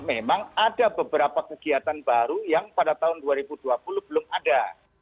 memang ada beberapa kegiatan baru yang pada tahun dua ribu dua puluh belum ada